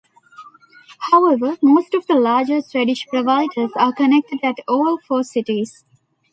However, most of the larger Swedish providers are connected at all four cities.